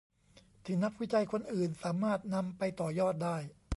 ที่นักวิจัยคนอื่นสามารถนำไปต่อยอดได้